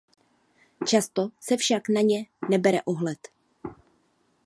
Často se však na ně nebere ohled.